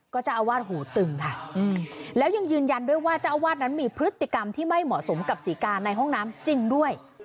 ก็เจ้าอาวาสหูตึงค่ะแล้วยังยืนยันด้วยว่าเจ้าอาวาสนั้นมีพฤติกรรมที่ไม่เหมาะสมกับศรีกาในห้องน้ำจริงด้วย